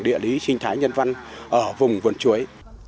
địa lý sinh thái nhân văn ở vùng vườn chuối